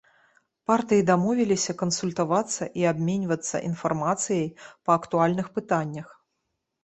Партыі дамовіліся кансультавацца і абменьвацца інфармацыяй па актуальных пытаннях.